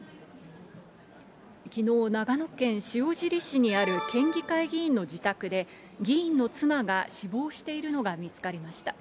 きのう、長野県塩尻市にある県議会議員の自宅で、議員の妻が死亡しているのが見つかりました。